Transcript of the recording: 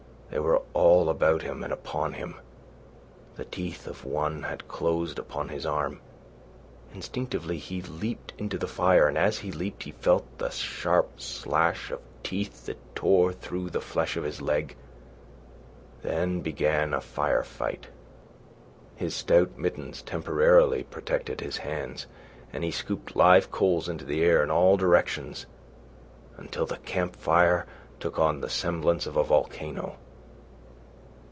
They were all about him and upon him. The teeth of one had closed upon his arm. Instinctively he leaped into the fire, and as he leaped, he felt the sharp slash of teeth that tore through the flesh of his leg. Then began a fire fight. His stout mittens temporarily protected his hands, and he scooped live coals into the air in all directions, until the campfire took on the semblance of a volcano.